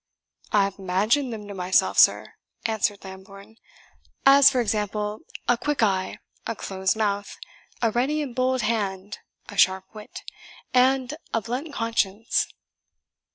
"I have imagined them to myself, sir," answered Lambourne; "as, for example, a quick eye, a close mouth, a ready and bold hand, a sharp wit, and a blunt conscience."